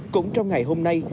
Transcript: cũng trong ngày hôm nay